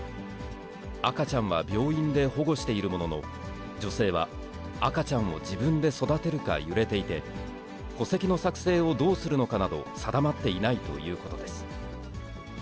赤ちゃんは病院で保護しているものの、女性は、赤ちゃんを自分で育てるか揺れていて、戸籍の作成をどうするのかなど、定まっていないということです。